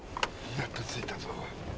やっと着いたぞ。